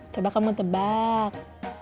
coba kamu tebak